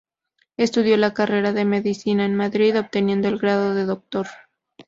Estudió la carrera de medicina en Madrid obteniendo el grado de doctor.